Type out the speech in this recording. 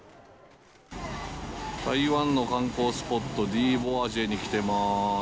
台湾の観光スポット、ディーホアジェに来てます。